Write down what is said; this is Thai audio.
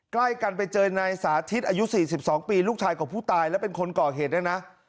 ใกล้กันไปเจอในสาธิตอายุสี่สิบสองปีลูกชายกับผู้ตายและเป็นคนเกาะเหตุเนี่ยนะ